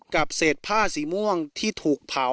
เศษผ้าสีม่วงที่ถูกเผา